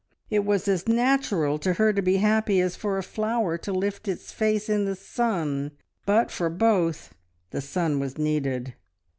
It was as natural to her to be happy as for a flower to lift its face in the sun, but for both the sun was needed.